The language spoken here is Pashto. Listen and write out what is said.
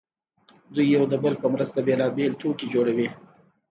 دوی یو د بل په مرسته بېلابېل توکي جوړوي